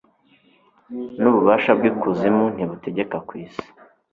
n'ububasha bw'ukuzimu ntibutegeka ku isi